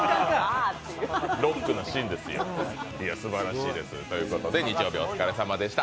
ロックなシーンですよ。ということで日曜日お疲れさまでした。